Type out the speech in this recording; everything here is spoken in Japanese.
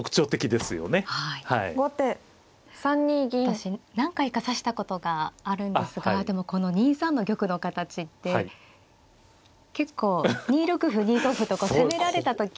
私何回か指したことがあるんですがでも２三の玉の形って結構２六歩２五歩と攻められた時に。